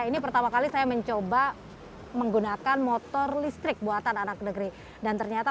ini pertama kali saya mencoba menggunakan motor listrik buatan anak negeri dan ternyata